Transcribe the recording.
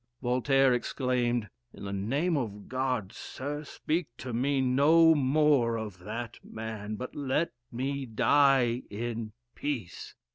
Voltaire exclaimed, "In the name of God, Sir, speak to me no more of that man, but let me die in peace!"